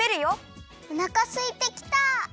おなかすいてきた。